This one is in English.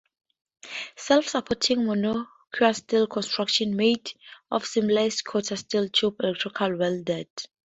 Self-supporting monocoque steel construction made of seamless square steel tubes, electrically welded.